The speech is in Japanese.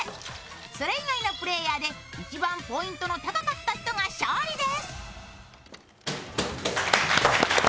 それ以外のプレーヤーで一番ポイントの高かった人が勝利です。